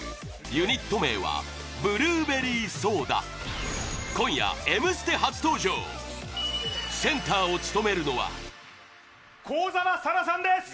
ユニット名はブルーベリーソーダ今夜「Ｍステ」初登場センターを務めるのは司会：幸澤沙良さんです！